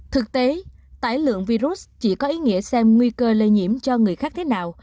thực tế tải lượng virus chỉ có ý nghĩa xem nguy cơ lây nhiễm cho người khác thế nào